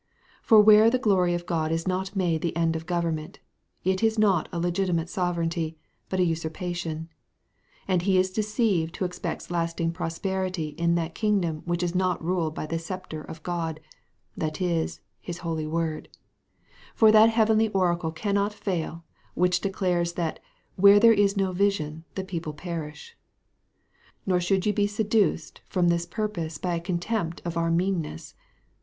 For where the glory of God is not made the end of the government, it is not a legitimate sovereignty, but a usurpation. And he is deceived who expects lasting prosperity in that kingdom which is not ruled by the sceptre of God, that is, his holy word; for that heavenly oracle cannot fail, which declares that "where there is no vision, the people perish," Nor should you be seduced from this pursuit by a contempt of our meanness.